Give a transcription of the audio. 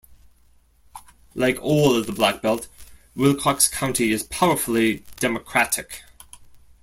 Like all of the Black Belt, Wilcox County is powerfully Democratic.